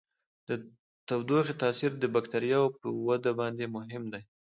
د تودوخې تاثیر د بکټریاوو په وده باندې مهم دی.